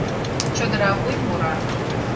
Чодыра вуй мура.